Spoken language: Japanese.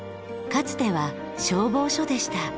かつては消防署でした。